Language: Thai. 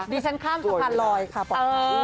ดิฉันข้ามสะพานลอยค่ะปกติ